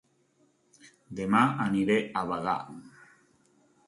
Dema aniré a Bagà